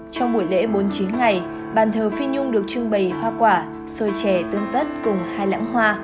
trong buổi lễ bốn mươi chín ngày bàn thờ phi nhung được trưng bày hoa quả sôi chè tương tất cùng hai lãng hoa